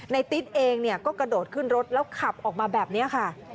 ติ๊ดเองก็กระโดดขึ้นรถแล้วขับออกมาแบบนี้ค่ะ